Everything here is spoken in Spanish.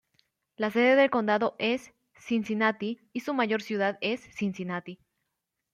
La sede del condado es Cincinnati, y su mayor ciudad es Cincinnati.